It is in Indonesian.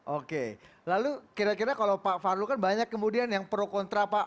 oke lalu kira kira kalau pak fahrul kan banyak kemudian yang pro kontra pak